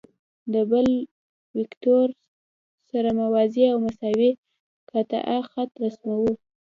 د بل وکتور سره موازي او مساوي قطعه خط رسموو.